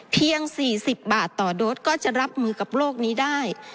๔๐บาทต่อโดสก็จะรับมือกับโลกนี้ได้